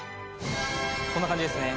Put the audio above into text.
こんな感じですね。